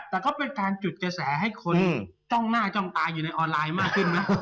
แต่ก็เป็นการจุดกระแสให้คนจ้องหน้าจ้องตาอยู่ในออนไลน์มากขึ้นนะ